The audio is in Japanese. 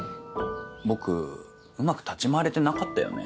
僕うまく立ち回れてなかったよね。